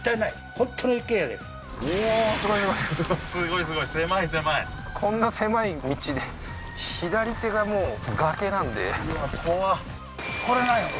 本当の一軒家だようおーすごいすごいすごいすごい狭い狭いこんな狭い道で左手がもう崖なんでうわ怖っこれなんやろ？